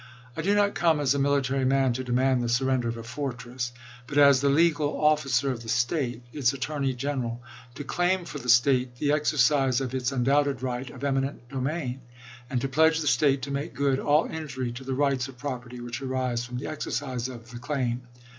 I do not come as a mili tary man to demand the surrender of a fortress, but as the legal officer of the State, — its attorney general, — to claim for the State the exercise of its undoubted right of eminent domain, and to pledge the State to make good all injury to the rights of property which arise from the exercise of the claim.